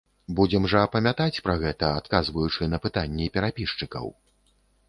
Будзем жа памятаць пра гэта, адказваючы на пытанні перапісчыкаў!